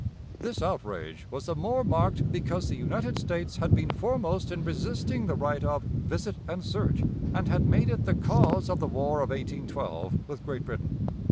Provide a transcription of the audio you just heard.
This outrage was the more marked because the United States had been foremost in resisting the right of "visit and search," and had made it the cause of the War of 1812 with Great Britain.